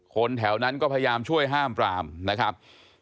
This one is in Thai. คนแถวนั้นก็พยายามช่วยห้ามปรามนะครับ